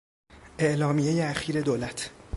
اعلامیهی اخیر دولت